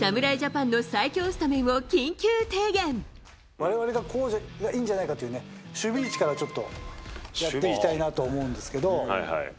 われわれがこうでいいんじゃないかという守備位置からちょっと、やっていきたいなと思うんですけど。